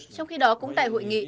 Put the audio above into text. trong khi đó cũng tại hội nghị